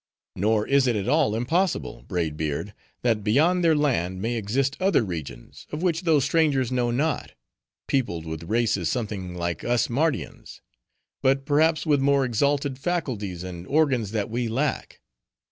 Nor is it at all impossible, Braid Beard, that beyond their land may exist other regions, of which those strangers know not; peopled with races something like us Mardians; but perhaps with more exalted faculties, and organs that we lack.